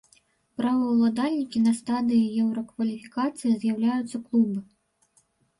Праваўладальнікамі на стадыі еўракваліфікацыі з'яўляюцца клубы.